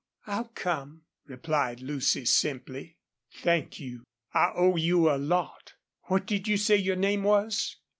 "I'll come," replied Lucy, simply. "Thank you. I owe you a lot.... What did you say your name was?"